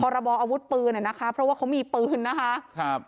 ระบออาวุธปืนอ่ะนะคะเพราะว่าเขามีปืนนะคะครับ